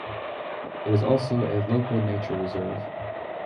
It is also a Local Nature Reserve.